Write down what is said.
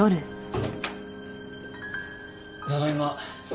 ただいま。